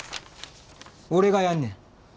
俺がやんねん。